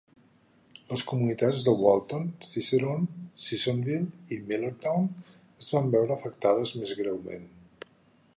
Les comunitats de Walton, Cicerone, Sissonville i Millertown es van veure afectades més greument.